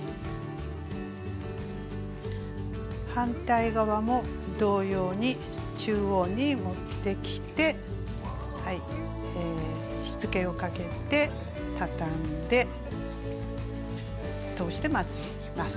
反対側も同様に中央に持ってきてしつけをかけてたたんで通してまつります。